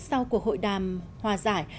sau cuộc hội đàm hòa giải